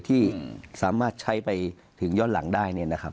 ที่สามารถใช้ไปชิ้นแจงย่อนหลังใช้ได้เนี่ยนะครับ